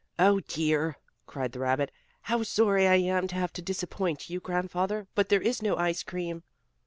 "Oh, dear!" cried the rabbit. "How sorry I am to have to disappoint you, Grandfather, but there is no ice cream!"